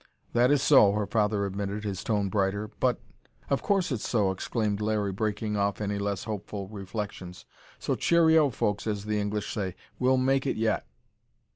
"That is so," her father admitted, his tone brighter. "But " "Of course it's so!" exclaimed Larry, breaking off any less hopeful reflections. "So cheerio, folks, as the English say. We'll make it yet!"